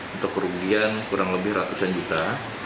untuk kerugian kurang lebih ratusan juta